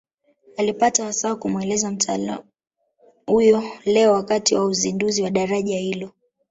Alipata wasaa wa kumueleza mtaalamu huyo leo wakati wa uzinduzi wa daraja hilo